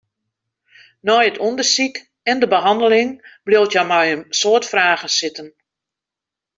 Nei it ûndersyk en de behanneling bliuwt hja mei in soad fragen sitten.